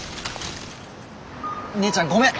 姉ちゃんごめん！